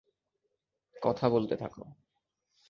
কথা বলতে থাকো।